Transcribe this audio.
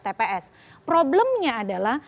dpr problemnya adalah